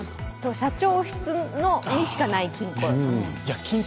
社長室にしかない金庫？